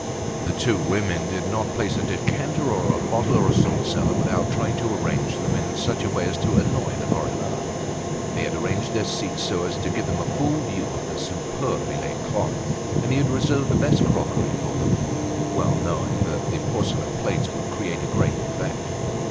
The two women did not place a decanter, or a bottle, or a salt cellar, without trying to arrange them in such a way as to annoy the Lorilleuxs. They had arranged their seats so as to give them a full view of the superbly laid cloth, and they had reserved the best crockery for them, well knowing that the porcelain plates would create a great effect.